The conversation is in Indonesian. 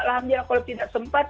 alhamdulillah kalau tidak sempat